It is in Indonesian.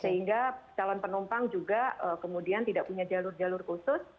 sehingga calon penumpang juga kemudian tidak punya jalur jalur khusus